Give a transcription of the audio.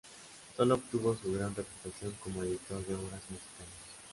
Sólo obtuvo su gran reputación como editor de obras musicales.